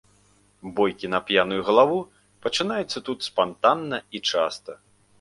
Бойкі на п'яную галаву пачынаюцца тут спантанна і часта.